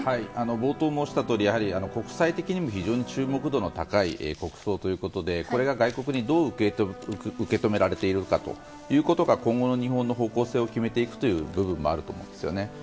冒頭申したとおり、国際的にも非常に注目度の高い国葬ということでこれが外国にどう受け止められているかということが今後の日本の方向性を決めていくという部分もあると思うんですよね。